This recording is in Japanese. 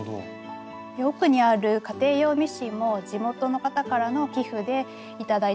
奥にある家庭用ミシンも地元の方からの寄付で頂いたものです。